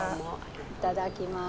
いただきます。